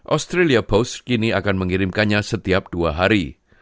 australia post kini akan mengirimkannya setiap dua hari